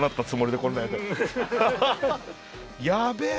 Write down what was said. やべえ！